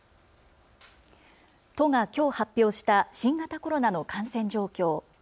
都がきょう発表した新型コロナの感染状況。